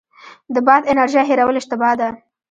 د باد انرژۍ هیرول اشتباه ده.